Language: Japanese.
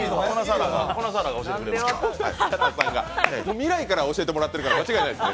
未来から教えてもらってるから間違いないですね。